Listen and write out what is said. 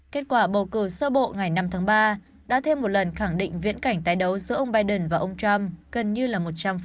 kết quả bầu cử sơ bộ ngày năm tháng ba đã thêm một lần khẳng định viễn cảnh tái đấu giữa ông biden và ông trump gần như là một trăm linh